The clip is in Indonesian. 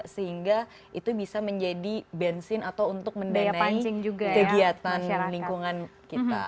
sehingga itu bisa menjadi bensin atau untuk mendanai kegiatan lingkungan kita